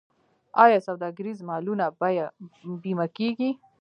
آیا سوداګریز مالونه بیمه کیږي؟